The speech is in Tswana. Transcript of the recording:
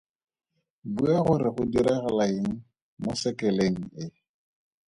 Bua gore go diragala eng mo sekeleng e.